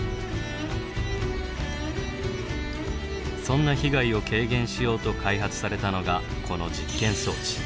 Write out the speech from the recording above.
そんな被害を軽減しようと開発されたのがこの実験装置。